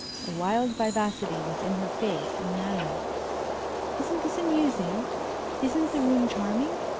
A wild vivacity was in her face and manner. "Isn't this amusing? Isn't the room charming?